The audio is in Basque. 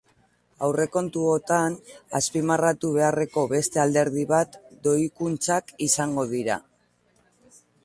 Aurrekontuotan azpimarratu beharreko beste alderdi bat doikuntzak izango dira.